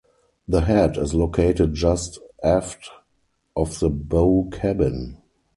The head is located just aft of the bow cabin.